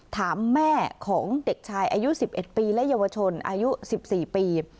ถามแม่ของเด็กชายอายุสิบเอ็ดปีและเยาวชนอายุสิบสี่ปี